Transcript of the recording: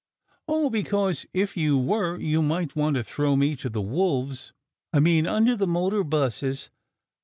" "Oh, because, if you were, you might want to throw me to the wolves I mean under the motor buses.